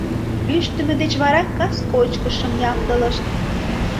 Лӱштымӧ деч вара кас кочкышым ямдылышт.